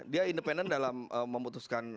dia independen dalam memutuskan